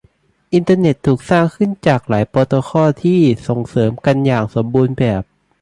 อินเตอร์เน็ตถูกสร้างขึ้นจากหลายโปรโตคอลที่ส่งเสริมกันอย่างสมบูรณ์แบบ